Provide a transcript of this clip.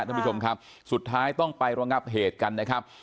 ท่านผู้ชมครับสุดท้ายต้องไประงับเหตุกันนะครับ